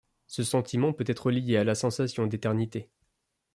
Ce sentiment peut-être liée à la sensation d'éternité.